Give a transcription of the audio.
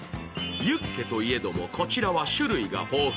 ユッケといえども、こちらは種類が豊富。